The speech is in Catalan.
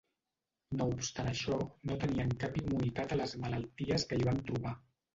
No obstant això no tenien cap immunitat a les malalties que hi van trobar.